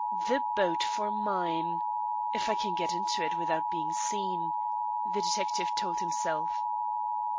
"The boat for mine if I can get into it without being seen," the detective told himself.